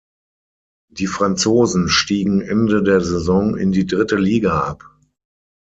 Die Franzosen stiegen Ende der Saison in die dritte Liga ab.